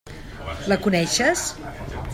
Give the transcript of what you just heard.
La coneixes?